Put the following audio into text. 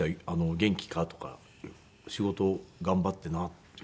「元気か？」とか「仕事頑張ってな」って。